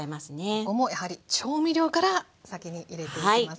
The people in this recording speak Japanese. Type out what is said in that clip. ここもやはり調味料から先に入れていきますね。